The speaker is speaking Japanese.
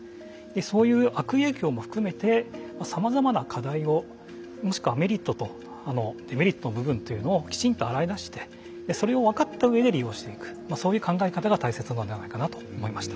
そういう悪影響も含めてさまざまな課題をもしくはメリットとデメリットの部分というのをきちんと洗い出してそれを分かった上で利用していくそういう考え方が大切なんではないかなと思いました。